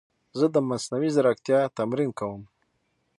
زه د مصنوعي ځیرکتیا تمرین کوم.